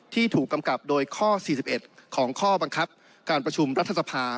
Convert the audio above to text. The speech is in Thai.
ที่ถูกกำกับโดยข้อ๔๑ของข้อบังคับการประชุมรัฐสภา